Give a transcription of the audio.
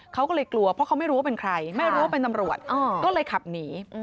เขาก็เลยกลัวเพราะเขาไม่รู้ว่าเป็นใครไม่รู้ว่าเป็นตำรวจก็เลยขับหนี